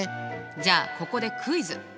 じゃあここでクイズ！